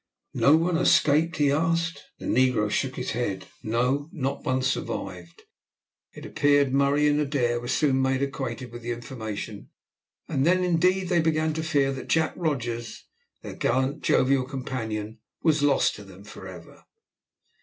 "No one escaped?" he asked. The negro shook his head, no, not one survived, it appeared. Murray and Adair were soon made acquainted with the information, and then indeed they began to fear that Jack Rogers, their gallant jovial companion, was lost to them for ever.